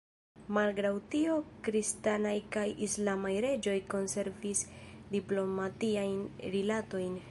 Malgraŭ tio, kristanaj kaj islamaj reĝoj konservis diplomatiajn rilatojn.